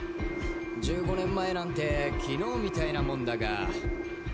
１５年前なんて昨日みたいなもんだが。